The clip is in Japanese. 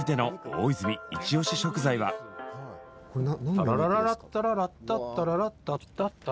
タララララッタララッタタラララ。